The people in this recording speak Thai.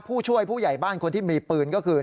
ผู้ช่วยผู้ใหญ่บ้านคนที่มีปืนก็คือ